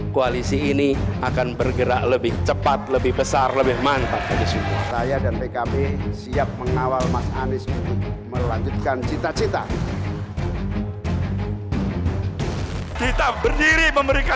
kita berdiri memberikan plus kepada mereka berdua